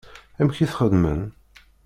Amek i t-xeddmen?